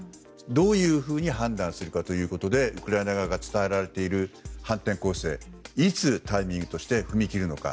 どういうふうに判断するかということでウクライナ側が伝えられている反転攻勢いつ、タイミングとして踏み切るのか。